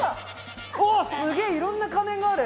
すげぇいろんな仮面がある。